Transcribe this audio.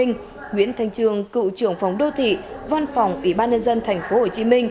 nguyễn thành trường cựu trưởng phòng đô thị văn phòng ủy ban nân dân tp hcm